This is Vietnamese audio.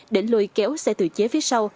để lôi kéo xe tự chế phía sau